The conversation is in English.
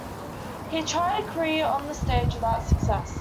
He tried a career on the stage without success.